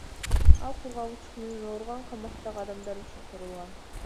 Ал кургак учук менен ооруган камактагы адамдар үчүн курулган.